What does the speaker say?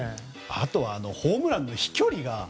あとはホームランの飛距離が。